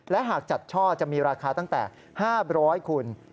และหากจัดช่อจะมีราคาตั้งแต่๕๐๐คุณ